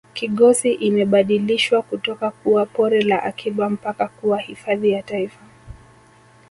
kigosi imebadilishwa kutoka kuwa pori la akiba mpaka kuwa hifadhi ya taifa